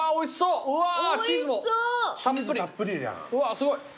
うわすごい。